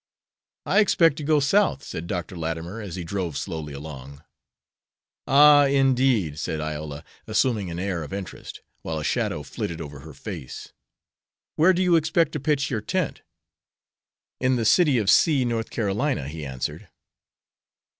"I expect to go South," said Dr. Latimer, as he drove slowly along. "Ah, indeed," said Iola, assuming an air of interest, while a shadow flitted over her face. "Where do you expect to pitch your tent?" "In the city of C , North Carolina," he answered.